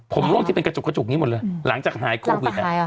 ผมร่วงที่เป็นกระจุกกระจุกนี้หมดเลยหลังจากหายโควิด